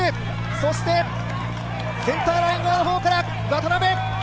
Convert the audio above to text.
そしてセンターライン側の方から渡邉。